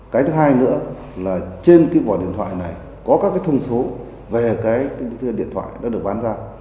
cái thứ hai nữa là trên cái gọi điện thoại này có các cái thông số về cái điện thoại đã được bán ra